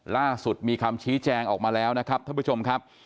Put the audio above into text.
ล่าสุดมีคำชี้แจงออกมาแล้วนะครับท่านผู้ชมครับ